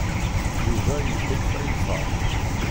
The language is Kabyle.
Yuba iḥulfa i lfeṛḥ.